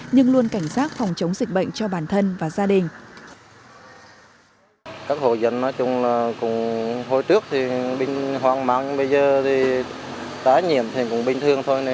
nhưng luôn cảnh giác phòng chống dịch bệnh cho bản thân và gia đình